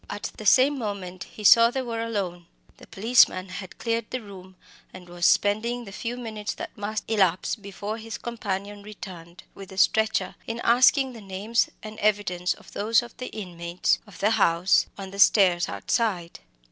At the same moment he saw that they were alone. The policeman had cleared the room, and was spending the few minutes that must elapse before his companion returned with the stretcher, in taking the names and evidence of some of the inmates of the house, on the stairs outside.